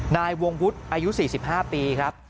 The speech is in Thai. นายวงวุฒิอายุ๔๕ปีครับ